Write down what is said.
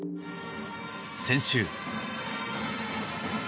先週。